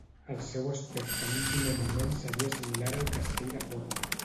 El seu aspecte en un primer moment seria similar al castell de Forna.